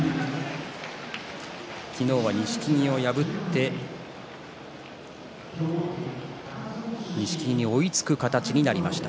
昨日は錦木を破って錦木に追いつく形になりました。